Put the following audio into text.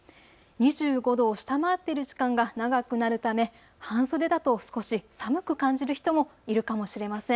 ２５度を下回っている時間が長くなるため半袖だと少し寒く感じる人もいるかもしれません。